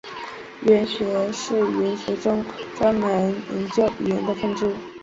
语音学是语言学中专门研究语音的分支。